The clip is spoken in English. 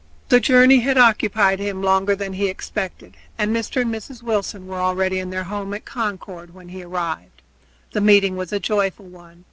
The journey had occupied him longer than he expected, and Mr. and Mrs. Wilson were already in their home at Concord when he arrived. The meeting was a joyful one.